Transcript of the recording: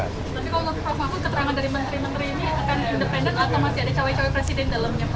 tapi kalau prof mahfud keterangan dari menteri menteri ini akan independen atau masih ada cawe cawe presiden dalamnya pak